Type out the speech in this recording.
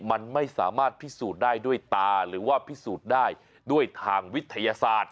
มันไม่สามารถพิสูจน์ได้ด้วยตาหรือว่าพิสูจน์ได้ด้วยทางวิทยาศาสตร์